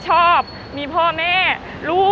เจ้าตายแล้ว